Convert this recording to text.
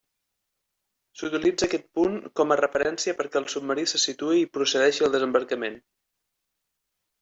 S'utilitza aquest punt com a referència perquè el submarí se situï i procedeixi al desembarcament.